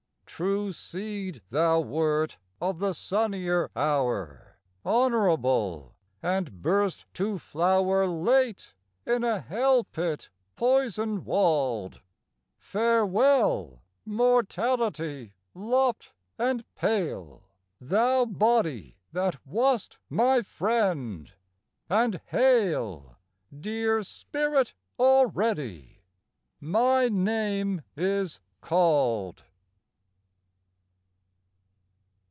True seed thou wert of the sunnier hour, Honorable, and burst to flower Late in a hell pit poison walled: Farewell, mortality lopped and pale, Thou body that wast my friend! and Hail, Dear spirit already!... My name is called.